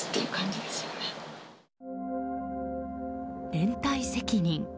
連帯責任。